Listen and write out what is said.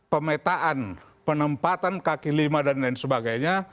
pemetaan penempatan kaki lima dan lain sebagainya